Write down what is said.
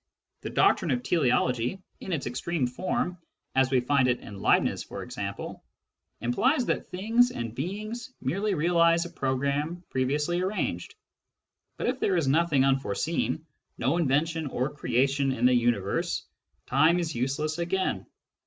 The doctrine of teleology, in its extreme form, as we find it in Leibniz for example, implies that things and beings merely realise a programme previously arranged. But if there is nothing unforeseen, no invention or creation in the universe, time is useless again.